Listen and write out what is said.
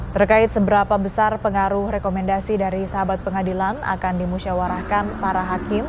terkait seberapa besar pengaruh rekomendasi dari sahabat pengadilan akan dimusyawarahkan para hakim